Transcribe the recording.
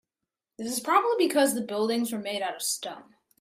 This is probably because the buildings were made out of stone.